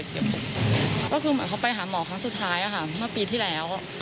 ก็คือเหมือนเขาไปหาหมอครั้งสุดท้ายค่ะเมื่อปีที่แล้ว